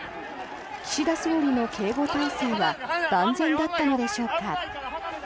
岸田総理の警護体制は万全だったのでしょうか。